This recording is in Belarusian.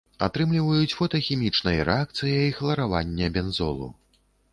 Атрымліваюць фотахімічнай рэакцыяй хларавання бензолу.